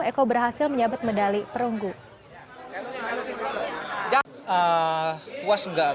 eko berhasil menyabet medali perunggu